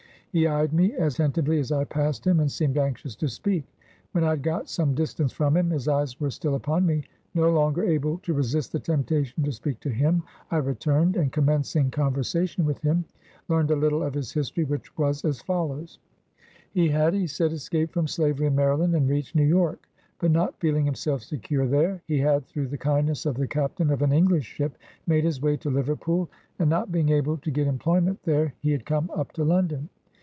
He eyed me attentively as I passed him, and seemed anxious to speak. When I had got some dis tance from him, his eyes were still upon me. No longer able to resist the temptation to speak to him, I returned, and, commencing conversation with him, learned a little of his history, which was as follows :— He had, he said, escaped from slavery in Maryland, and reached New York ; but not feeling himself secure there, he had, through the kindness of the captain of an English ship, made his way to Liverpool, and not 70 BIOGRAPHY OF being able to get employment there, he had come up to London.